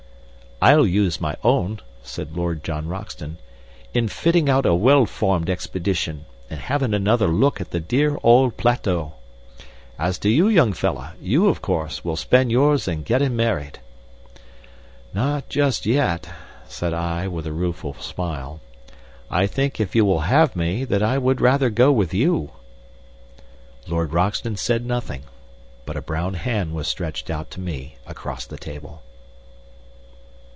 "I'll use my own," said Lord John Roxton, "in fitting a well formed expedition and having another look at the dear old plateau. As to you, young fellah, you, of course, will spend yours in gettin' married." "Not just yet," said I, with a rueful smile. "I think, if you will have me, that I would rather go with you." Lord Roxton said nothing, but a brown hand was stretched out to me across the table.